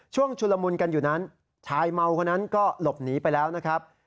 ชุลมุนกันอยู่นั้นชายเมาคนนั้นก็หลบหนีไปแล้วนะครับ